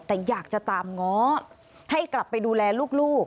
แต่อยากจะตามง้อให้กลับไปดูแลลูก